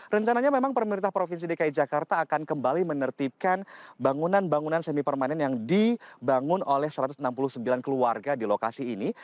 rencananya memang pemerintah provinsi dki jakarta akan kembali menertibkan bangunan bangunan semi permanen yang dibangun oleh satu ratus enam puluh sembilan keluarga di lokasi ini